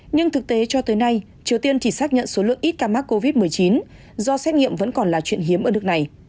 nhưng thực tế cho tới nay triều tiên chỉ xác nhận số lượng ít ca mắc covid một mươi chín do xét nghiệm vẫn còn là chuyện hiếm ở nước này